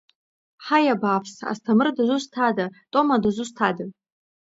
Ҳаи, абааԥс, Асҭамыр дызусҭада, Тома дызусҭада!